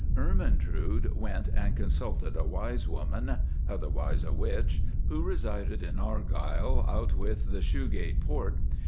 "Ermentrude went and consulted a wise woman, otherwise a witch, who resided in Argyll, outwith the Shoegate Port.